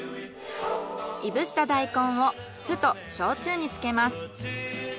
燻した大根を酢と焼酎に漬けます。